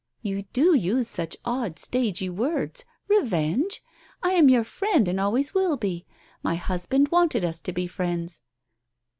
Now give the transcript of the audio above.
You do use such odd stagey words. Revenge ! I am your friend and always will be. My husband wanted us to be friends."